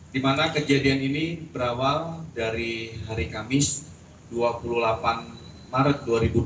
di mana kejadian ini berawal dari hari kamis dua puluh delapan maret dua ribu dua puluh